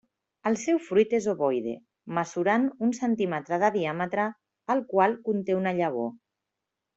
El seu fruit és ovoide, mesurant un centímetre de diàmetre, el qual conté una llavor.